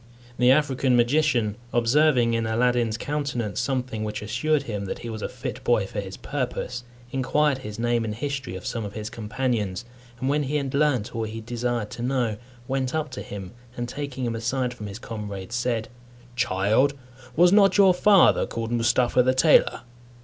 The African magician, observing in Aladdin's countenance something which assured him that he was a fit boy for his purpose, inquired his name and history of some of his companions, and when he had learnt all he desired to know, went up to him, and taking him aside from his comrades, said, "Child, was not your father called Mustapha the tailor?"